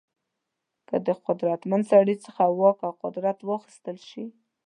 که د قدرتمن سړي څخه واک او قدرت واخیستل شي.